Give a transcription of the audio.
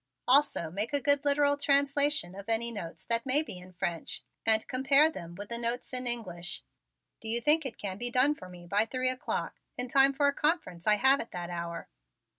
Also make a good literal translation of any notes that may be in French and compare them with the notes in English. Do you think it can be done for me by three o'clock, in time for a conference I have at that hour?"